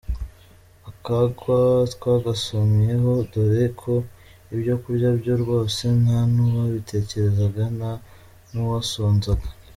Akagwa twagasomyeho dore ko ibyo kurya byo rwose ntanuwabitekerezaga, nta nuwasonzaga.